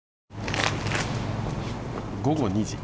午後２時。